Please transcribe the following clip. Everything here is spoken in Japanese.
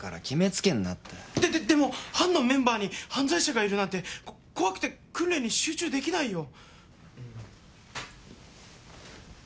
でででも班のメンバーに犯罪者がいるなんてこ怖くて訓練に集中できないよ。